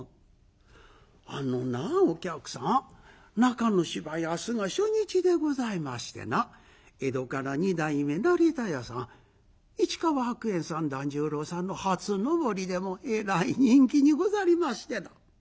「あのなあお客さん中の芝居明日が初日でございましてな江戸から二代目成田屋さん市川白猿さん團十郎さんの初上りでえらい人気にござりましてな」。